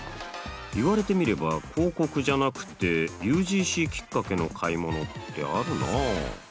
言われてみれば広告じゃなくてＵＧＣきっかけの買い物ってあるなあ。